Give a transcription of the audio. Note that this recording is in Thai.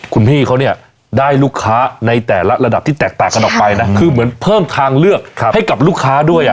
คุณพี่เขาเนี่ยได้ลูกค้าในแต่ละระดับที่แตกต่างกันออกไปนะคือเหมือนเพิ่มทางเลือกให้กับลูกค้าด้วยอ่ะ